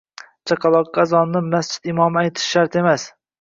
Chaqaloqqa azonni masjid imomi aytishi shart emas.